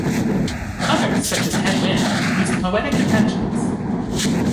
Others, such as Hedd Wyn, used poetic inventions.